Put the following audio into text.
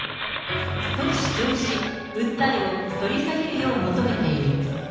と主張し、訴えを取り下げるよう求めている。